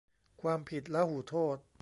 ความผิดลหุโทษ